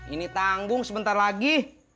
ini tanggung sebentar lagi